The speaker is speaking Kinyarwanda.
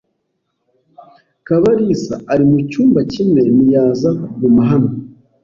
Kabalisa ari mucyumba kimwe ntiyaza kuguma hano.